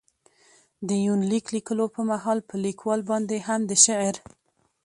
دې يونليک ليکلو په مهال، په ليکوال باندې هم د شعر.